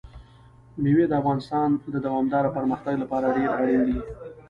مېوې د افغانستان د دوامداره پرمختګ لپاره ډېر اړین دي.